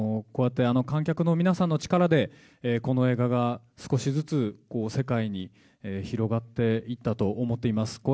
観客の皆さんの力でこの映画が少しずつ世界に広がっていったと思っています。